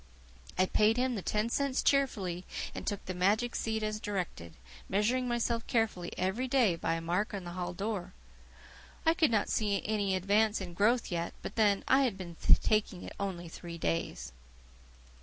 I paid him the ten cents cheerfully and took the magic seed as directed, measuring myself carefully every day by a mark on the hall door. I could not see any advance in growth yet, but then I had been taking it only three days.